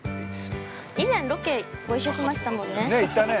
以前ロケご一緒しましたもんね。